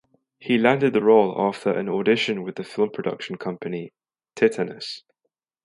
He landed the role after an audition with the film production company Titanus.